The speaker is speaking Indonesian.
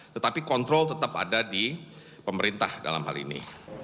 tetapi kontrol tetap ada di pemerintah dalam hal ini